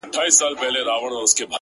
• د پیر بابا له برکته بارانونه لیکي ,